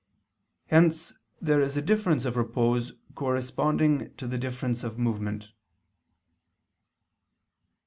Hence there is a difference of repose corresponding to the difference of movement.